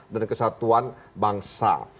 dan kesatuan bangsa